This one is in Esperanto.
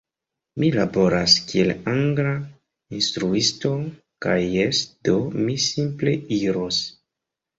Mi laboras kiel angla instruisto. Kaj jes, do, mi simple iros!